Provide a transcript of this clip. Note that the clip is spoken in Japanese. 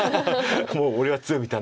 「もう俺は強い」みたいな。